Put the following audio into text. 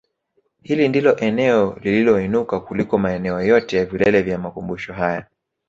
Hili ndilo eneo lililoinuka kuliko maeneo yote ya vilele vya makumbumsho haya